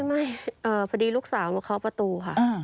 ไม่พอดีลูกสาวมาเคาะประตูค่ะ